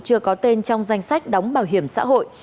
chưa có tên trong danh sách đóng bảo hiểm xã hội